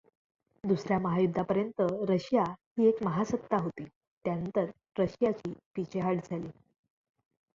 दुसर् या महायुद्धापर्यंत रशिया ही एक महासत्ता होती, त्यानंतर रशियाची पीछेहाट झाली.